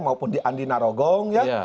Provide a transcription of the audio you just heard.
maupun di andi narogong ya